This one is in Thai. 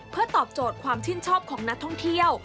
เพื่อตอบโจทย์ความชื่นชอบของนักท่องเที่ยว